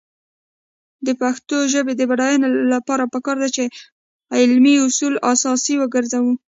د پښتو ژبې د بډاینې لپاره پکار ده چې علمي اصول اساس وګرځي.